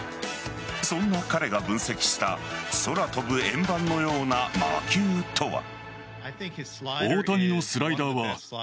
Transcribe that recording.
そんな彼が分析した空飛ぶ円盤のような魔球とは。